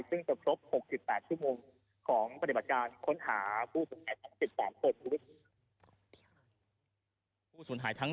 ซึ่งจะครบ๖๘ชั่วโมงของปฏิบัติการค้นหาผู้สูญหายทั้ง๑๓คน